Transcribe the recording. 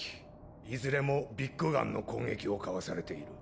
いずれもビッグ・ガンの攻撃をかわされている。